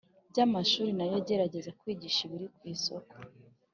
by amashuli nayo agerageze kwigisha ibiri ku isoko